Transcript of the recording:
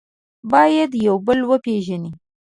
باید یو بل وپېژنئ.